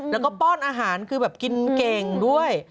แล้วก็ป้อนอาหารคือแบบกินเก่งด้วย